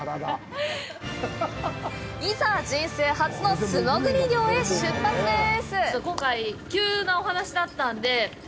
いざ、人生初の素潜り漁へ出発です！